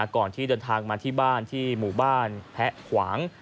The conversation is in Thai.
ก่อนที่เดินทางมาที่บ้านที่หมู่บ้านแพะขวาง